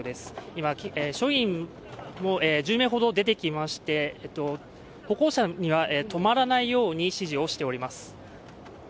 今、署員も１０名ほど出てきまして、歩行者には止まらないように指示をしております。